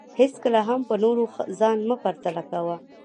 هېڅکله هم په نورو ځان مه پرتله کوه